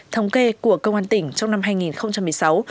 thống kê công an tỉnh đồng nai đã phối hợp với các cấp khen thưởng đột xuất